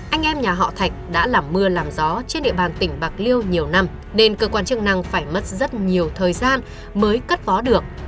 anh em nhà họ thạch đã làm mưa làm gió trên địa bàn tỉnh bạc liêu nhiều năm nên cơ quan chức năng phải mất rất nhiều thời gian mới cất vó được